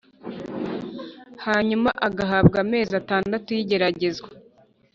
hanyuma agahabwa amezi atandatu y’igeragezwa